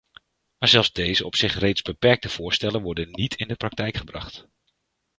Maar zelfs deze op zich reeds beperkte voorstellen worden niet in de praktijk gebracht.